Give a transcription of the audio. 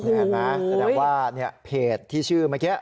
เห็นไหมแสดงว่าเพจที่ชื่อเมื่อกี้